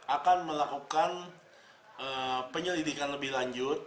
akan melakukan penyelidikan lebih lanjut